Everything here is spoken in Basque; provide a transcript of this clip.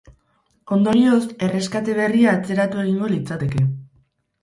Ondorioz, erreskate berria atzeratu egingo litzateke.